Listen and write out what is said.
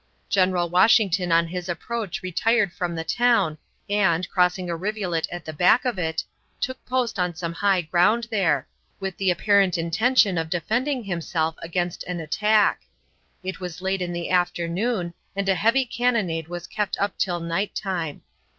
General Washington on his approach retired from the town and, crossing a rivulet at the back of it, took post on some high ground there, with the apparent intention of defending himself against an attack. It was late in the afternoon, and a heavy cannonade was kept up till night time.